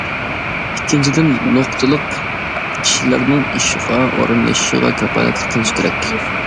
ئىككىنچىدىن نۇقتىلىق كىشىلەرنىڭ ئىشقا ئورۇنلىشىشىغا كاپالەتلىك قىلىش كېرەك.